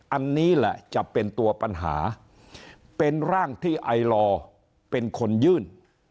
อันนี้แหละจะเป็นตัวปัญหาเป็นร่างที่ไอลอเป็นคนยื่น